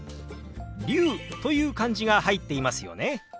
龍という漢字が入っていますよね。